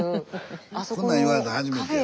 こんなん言われたの初めてやわ。